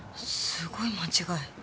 すごい間違え。